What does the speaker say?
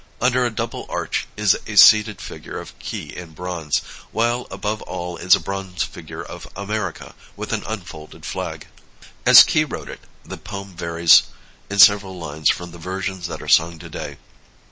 Under a double arch is a seated figure of Key in bronze, while above all is a bronze figure of America, with an unfolded flag. As Key wrote it, the poem varies in several lines from the versions that are sung to day.